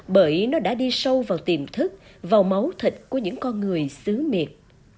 bởi nó đã đi sâu vào tiềm thức vào máu thịt của những con người xứ miệt